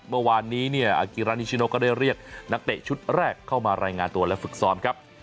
เมื่อวานนี้เนี่ยอากิรานิชิโนก็ได้เรียกนักเตะชุดแรกเข้ามารายงานตัวและฝึกซ้อมครับ